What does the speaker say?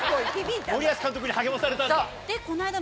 森保監督に励まされたんだ。